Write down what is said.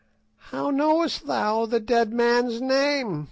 "How knowest thou the dead man's name?"